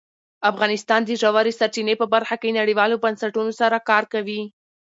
افغانستان د ژورې سرچینې په برخه کې نړیوالو بنسټونو سره کار کوي.